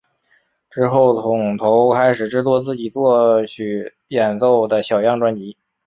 之后桶头开始制作自己作曲演奏的小样专辑。